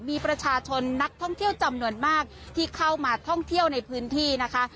มีประชาชนนักท่องเที่ยวจำนวนมากที่เข้ามาท่องเที่ยวในพื้นที่นะคะ